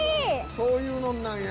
そういうのんなんや。